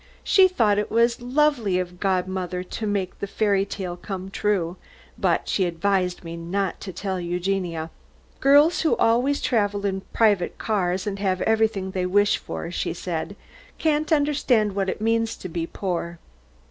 She thought it was lovely of godmother to make the fairy tale come true, but she advised me not to tell Eugenia. Girls who always travel in private cars and have everything they wish for, she said, can't understand what it means to be poor.